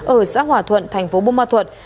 ở xã hỏa thuận thành phố buôn ma thuật